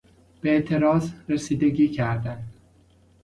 به اعتراض رسیدگی کردن